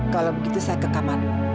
kalau begitu saya ke kamar